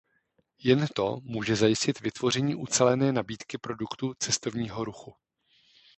Jen to může zajistit vytvoření ucelené nabídky produktu cestovního ruchu.